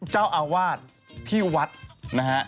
เจ้าอาวาสที่วัดนะฮะ